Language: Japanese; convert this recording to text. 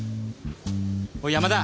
おい山田。